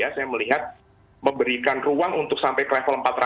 saya melihat memberikan ruang untuk sampai ke level empat ratus